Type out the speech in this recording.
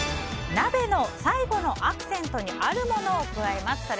鍋の最後のアクセントにあるものを加えます。